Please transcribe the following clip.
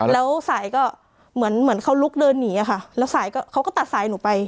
แล้วสายก็เหมือนเหมือนเขาลุกเดินหนีอะค่ะแล้วสายเขาก็ตัดสายหนูไป